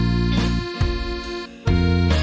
นี่